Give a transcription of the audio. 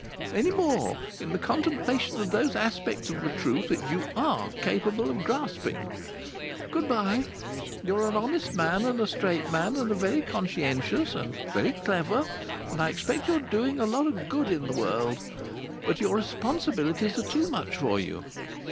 " any more in the contemplation of those aspects of the truth which you are capable of grasping. Good bye! You're an honest man, and a straight man, and very conscientious, and very clever, and I expect you're doing a lot of good in the world. But your responsibilities are too much for you.